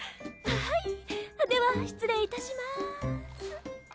はいでは失礼いたします。